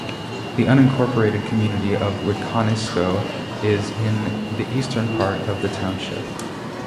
The unincorporated community of Wiconisco is in the eastern part of the township.